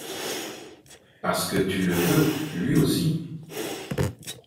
Parce que tu le veux lui aussi.